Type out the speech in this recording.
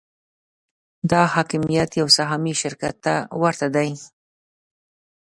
دا حاکمیت یو سهامي شرکت ته ورته دی.